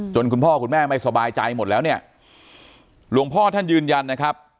คุณพ่อคุณแม่ไม่สบายใจหมดแล้วเนี่ยหลวงพ่อท่านยืนยันนะครับ